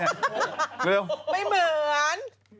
ไม่เหมือน